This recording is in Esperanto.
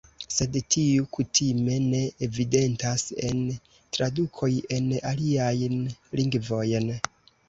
Sed tiuj kutime ne evidentas en tradukoj en aliajn lingvojn.